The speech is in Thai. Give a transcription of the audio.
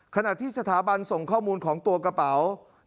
ขณะที่สถาบันส่งข้อมูลของตัวกระเป๋า